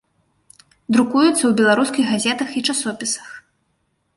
Друкуецца ў беларускіх газетах і часопісах.